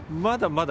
まだ。